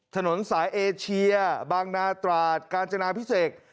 ถนนสายเอเชียบางนาตราดกาญจนาพิเศษ